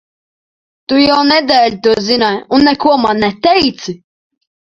Tu jau nedēļu to zināji, un neko man neteici?